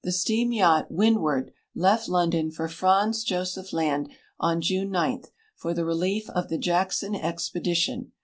steam yacht Windward left London for Franz Josef Land on June 9 for the relief of the Jackson expedition.